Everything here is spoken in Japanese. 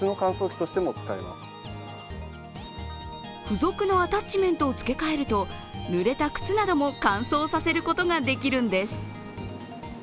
付属のアタッチメントを付け替えると、ぬれた靴なども乾燥させることができるんです。